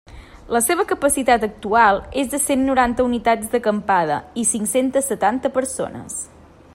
La seva capacitat actual és de cent noranta unitats d'acampada i cinc-centes setanta persones.